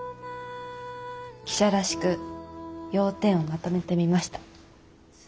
記者らしく要点をまとめてみました。